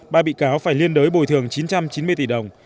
ba bị cáo phải liên đới bồi thường chín trăm chín mươi tỷ đồng